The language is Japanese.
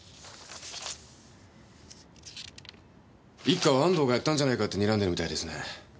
一課は安藤がやったんじゃないかって睨んでるみたいですね。